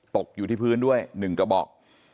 ตกอยู่ที่พื้นด้วย๑กระบอก